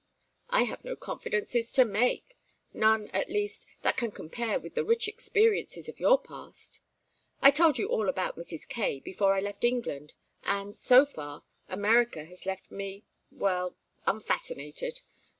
"I have no confidences to make none, at least, that can compare with the rich experiences of your past. I told you all about Mrs. Kaye before I left England, and, so far, America has left me well, unfascinated.